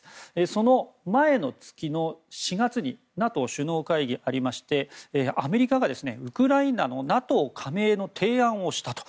その前の月の４月にＮＡＴＯ首脳会議がありましてアメリカがウクライナのＮＡＴＯ加盟の提案をしたと。